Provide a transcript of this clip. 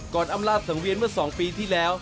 อำลาดสังเวียนเมื่อ๒ปีที่แล้ว